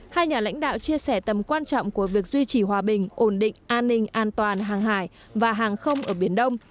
hai nhà lãnh đạo chia sẻ tầm quan trọng của việc duy trì hòa bình ổn định an ninh an toàn hàng hải và hàng không ở biển đông